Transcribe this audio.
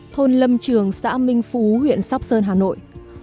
thôn lâm trường xã minh phú huyện sóc sơn hà nội